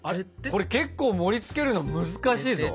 これ結構盛りつけるの難しいぞ。